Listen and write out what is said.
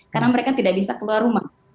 karena mereka tidak bisa keluar rumah